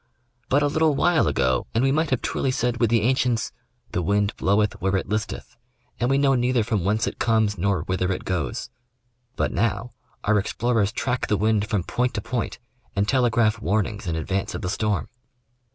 But a little while ago and we might have truly said with the ancients " the wind bloweth where it listeth, and we know neither from whence it comes nor whither it goes"; but now our explorers track the wind from point to point and telegraph warnings in advance of the storm.